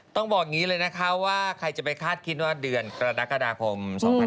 ต้องบอกอย่างนี้เลยนะคะว่าใครจะไปคาดคิดว่าเดือนกรกฎาคม๒๕๖๒